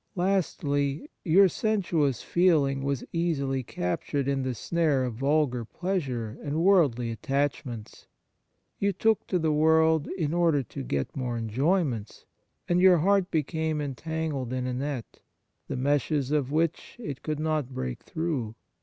Lastly, your sensuous feeling was easily captured in the snare of vulgar pleasure and worldly attach ments ; you took to the world in order to get more enjoyments, and your heart became entangled in a net, the meshes 75 On Piety of which it could not break through.